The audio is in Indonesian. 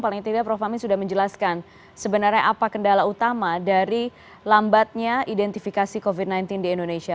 paling tidak prof amin sudah menjelaskan sebenarnya apa kendala utama dari lambatnya identifikasi covid sembilan belas di indonesia